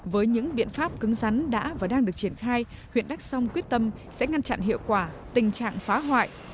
với những biện pháp cứng rắn đã và đang được triển khai huyện đắk song quyết tâm sẽ ngăn chặn hiệu quả tình trạng phá hoại